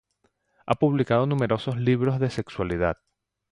Ha publicado numerosos libros de sexualidad.